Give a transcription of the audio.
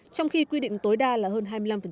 trong khi quy định tối đa là hơn hai mươi năm